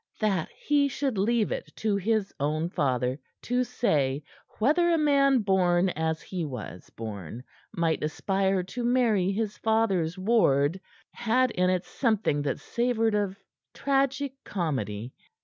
That he should leave it to his own father to say whether a man born as he was born might aspire to marry his father's ward, had in it something that savored of tragi comedy.